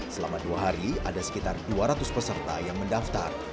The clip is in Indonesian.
selama dua hari ada sekitar dua ratus peserta yang mendaftar